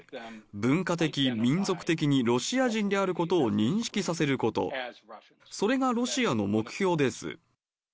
文化的、民族的にロシア人であることを認識させること、それがロシアの目標です。